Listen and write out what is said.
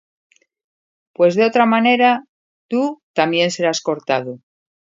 pues de otra manera tú también serás cortado.